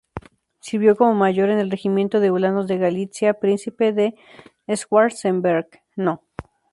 Sirvió como mayor en el Regimiento de Ulanos de Galitzia "Príncipe de Schwarzenberg" No.